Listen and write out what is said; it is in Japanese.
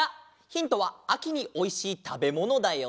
ヒントはあきにおいしいたべものだよ。